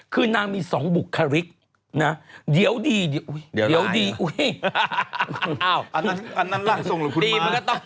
คือนางมีสองบุคลิกนะเดี๋ยวดีอุ้ยเดี๋ยวดีอันนั้นรักทรงหรือคุณม้า